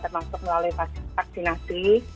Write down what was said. termasuk melalui vaksinasi